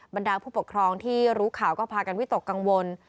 บรรดาผู้ปกครองที่รู้ข่าวก็พากันวิตกกังวล